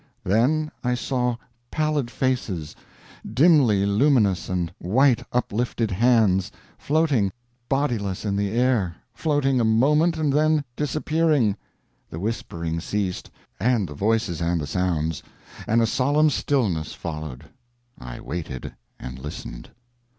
Then I saw pallid faces, dimly luminous, and white uplifted hands, floating bodiless in the air floating a moment and then disappearing. The whispering ceased, and the voices and the sounds, and a solemn stillness followed. I waited and listened.